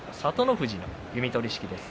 富士の弓取式です。